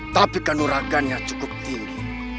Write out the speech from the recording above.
tapi kanuragannya cukup tinggi